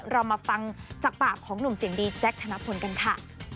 เรามาฟังจากปากของหนุ่มเสียงดีแจ๊คธนพลกันค่ะ